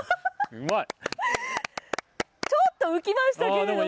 ちょっと浮きましたけれども。